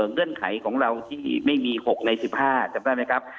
เงื่อนไขของเราที่ไม่มี๖ใน๑๕จำได้ไหมครับ